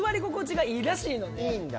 いいんだ。